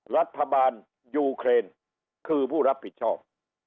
รัฐบาลยูเครนคือผู้รับผิดชอบ